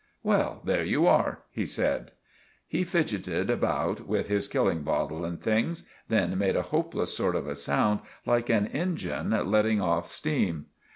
"Well, there you are," he said. He figetted about with his killing bottle and things, then made a hopeless sort of a sound like an engine letting off steem.